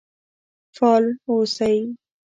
فعال اوسئ.